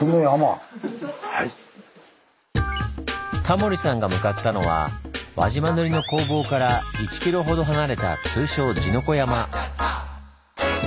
タモリさんが向かったのは輪島塗の工房から１ｋｍほど離れた通称「地の粉山」。